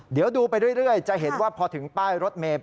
เดี๋ยวดูไปเรื่อยจะเห็นว่าพอถึงป้ายรถเมย์